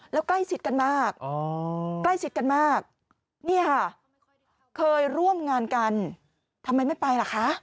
แล้วใกล้ชิดกันมากใกล้ชิดกันมากนี่ค่ะเคยร่วมงานกันทำไมไม่ไปล่ะคะ